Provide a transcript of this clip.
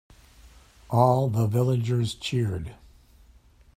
All the villagers cheered.